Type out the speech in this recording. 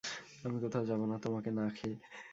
আমি কোথাও যাবো না, তোমাকে না খেয়ে।